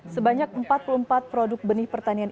sebanyak empat puluh empat produk benih pertanian